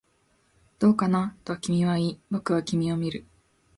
どうかな、と君は言い、僕は君を見る